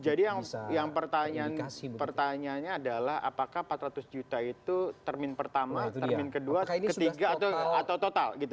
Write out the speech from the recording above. jadi yang pertanyaannya adalah apakah empat ratus juta itu termin pertama termin kedua ketiga atau total gitu